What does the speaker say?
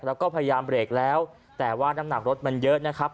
แล้วก็พยายามเบรกแล้วแต่ว่าน้ำหนักรถมันเยอะนะครับ